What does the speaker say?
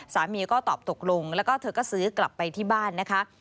สามีก็ตอบตกลงแล้วก็เธอก็ซื้อกลับไปที่บ้านนะคะ